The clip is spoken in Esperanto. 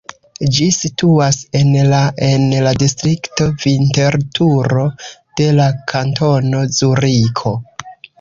Ĝi situas en la en la distrikto Vinterturo de la Kantono Zuriko.